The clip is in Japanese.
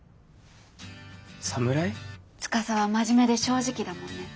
司は真面目で正直だもんね。